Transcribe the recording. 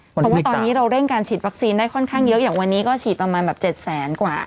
เพราะว่าตอนนี้เราเร่งการฉีดวัคซีนได้ค่อนข้างเยอะอย่างวันนี้ก็ฉีดประมาณแบบ๗แสนกว่า